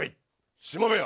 しもべよ。